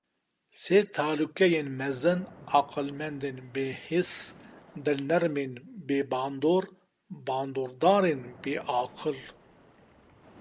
Sê talûkeyên mezin: aqilmendên bêhis, dilnermên bêbandor, bandordarên bêaqil.